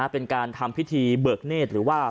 เป็นการทำพิธีเบิกเนธหรือว่า